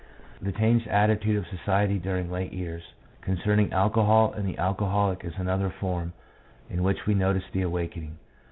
The changed attitude of society during late years, concerning alcohol and the alcoholic, is another form in which we notice the awakening.